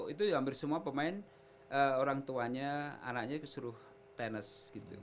itu hampir semua pemain orang tuanya anaknya kesuruh tenis gitu